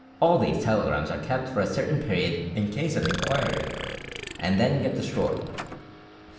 All these telegrams are kept for a certain period in case of inquiry, and then destroyed."